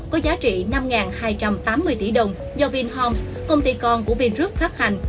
có giá trị năm hai trăm tám mươi tỷ đồng do vinhomes công ty con của vingroup phát hành